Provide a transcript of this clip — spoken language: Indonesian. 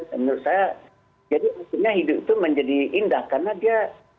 menurut saya jadi akhirnya hidup itu menjadi indah karena dia